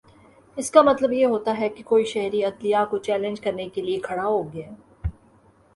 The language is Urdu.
اس کا مطلب یہ ہوتا ہے کہ کوئی شہری عدلیہ کو چیلنج کرنے کے لیے کھڑا ہو گیا ہے